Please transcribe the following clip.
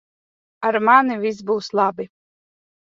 Ar mani viss būs labi.